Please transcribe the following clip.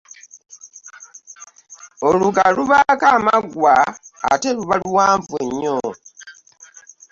Oluga lubaako amaggwa ate luba luwanvu nnyo .